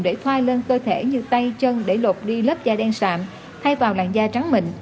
để phai lên cơ thể như tay chân để lột đi lớp da đen sạm thay vào làn da trắng mình